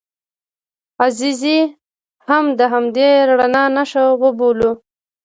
عزیزي هم د همدې رڼا نښه وبولو.